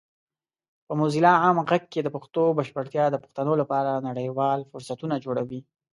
په موزیلا عام غږ کې د پښتو بشپړتیا د پښتنو لپاره نړیوال فرصتونه جوړوي.